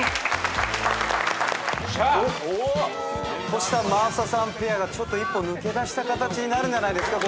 トシさん・真麻さんペアが１歩抜け出した形になるんじゃないですか？